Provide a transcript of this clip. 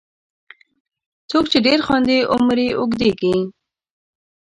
• څوک چې ډېر خاندي، عمر یې اوږدیږي.